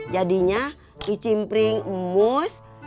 jadinya kicimpring mus esih emak dan eneng